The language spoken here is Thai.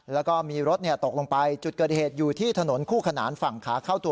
แล้วก็มีรถตกลงไปจุดเกิดเหตุอยู่ที่ถนนคู่ขนานฝั่งขาเข้าตัว